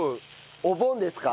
お盆ですか？